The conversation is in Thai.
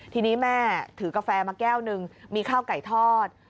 ทีนี้แม่ถือกาแฟมาแก้วหนึ่งมีข้าวไก่ทอด